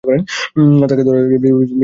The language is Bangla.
তাঁকে ধরাধরি করে বিছানায় এনে শোয়াল।